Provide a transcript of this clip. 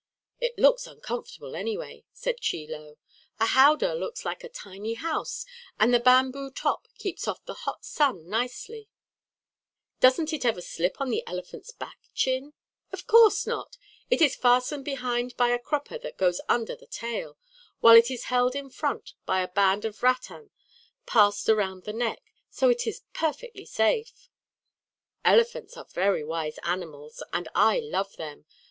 "It looks comfortable, anyway," said Chie Lo. "A howdah looks like a tiny house, and the bamboo top keeps off the hot sun nicely. Doesn't it ever slip on the elephant's back, Chin?" [Illustration: "'THEY WOULD PICK UP THE LOGS WITH THEIR TRUNKS.'"] "Of course not. It is fastened behind by a crupper that goes under the tail, while it is held in front by a band of rattan passed around the neck. So it is perfectly safe." "Elephants are very wise animals, and I love them.